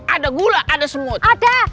ada gula ada semut